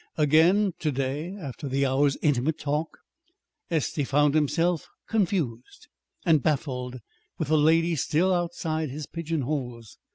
Again to day, after the hour's intimate talk, Estey found himself confused and baffled, with the lady still outside his pigeonholes.